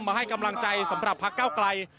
มาให้กำลังใจสำหรับพักเก้าไกล